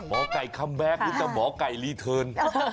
หมอไก่คัมแบ็คหรือจะหมอไก่รีเทิร์น